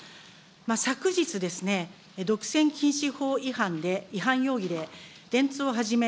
昨日ですね、独占禁止法違反で、違反容疑で、電通をはじめ、